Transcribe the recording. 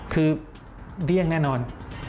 คือเลี่ยงแน่นอน